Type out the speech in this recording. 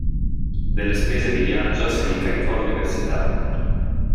Delle spese di viaggio se ne incaricò l'Università.